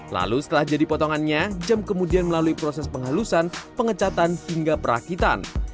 lalu setelah jadi potongannya jam kemudian melalui proses penghalusan pengecatan hingga perakitan